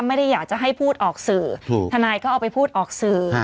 ไม่ได้อยากจะให้พูดออกสื่อทนายก็เอาไปพูดออกสื่อ